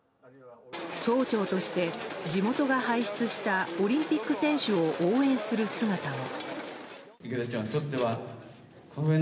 町長として、地元が輩出したオリンピック選手を応援する姿も。